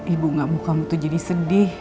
ibu gak mau kamu tuh jadi sedih